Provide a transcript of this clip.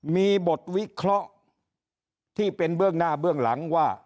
มีบทวิเคราะห์ที่เป็นเบื้องหน้าเบื้องหลังว่า